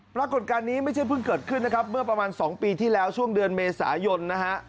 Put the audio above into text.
ปรากฏการณ์นี้ไม่ใช่เพิ่งเกิดขึ้นนะครับเมื่อประมาณ๒ปีที่แล้วช่วงเดือนเมษายนนะฮะ